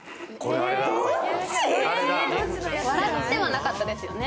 笑ってはなかったですよね。